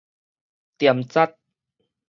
墊實